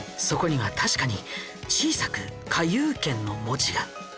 そこには確かに小さく花遊軒の文字が。